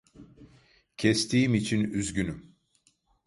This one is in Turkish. Kestiğim için üzgünüm.